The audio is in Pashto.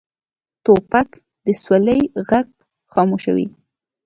توپک د سولې غږ خاموشوي.